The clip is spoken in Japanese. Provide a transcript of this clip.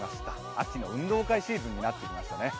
秋の運動会シーズンになっていますね。